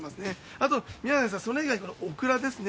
あと、宮根さん、それ以外にもオクラですね。